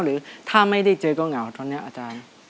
หรือถ้าไม่ได้เจอก็เหงาตอนนี้อาจารย์